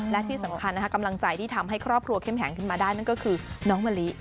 และที่สำคัญกำลังใจที่ทำให้ครอบครัวเข้มแข็งขึ้นมาได้นั่นก็คือน้องมะลิ